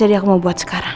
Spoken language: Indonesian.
jadi aku mau buat sekarang